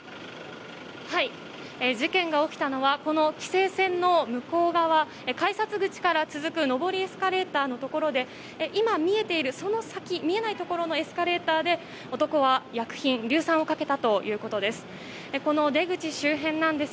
事件が起きたのはこの規制線の向こう側改札口から続く上りエスカレーターのところで今見えているその先見えないところのエスカレーターで男は薬品硫酸をかけたということです。